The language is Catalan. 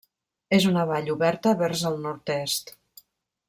És una vall oberta vers el nord-est.